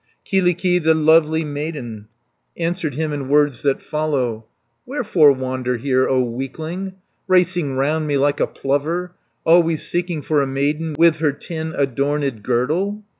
Kyllikki the lovely maiden Answered him in words that follow: 170 "Wherefore wander here, O weakling. Racing round me like a plover, Always seeking for a maiden, With her tin adorned girdle?